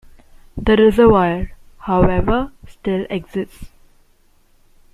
The reservoir, however, still exists.